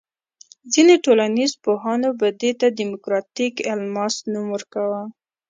ځینې ټولنیز پوهانو به دې ته دیموکراتیک الماس نوم ورکاوه.